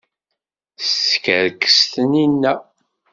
Teskerkes Taninna.